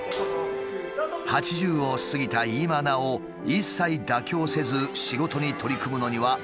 ８０を過ぎた今なお一切妥協せず仕事に取り組むのには訳がある。